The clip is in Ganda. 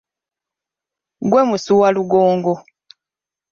Gwe musu walugongo.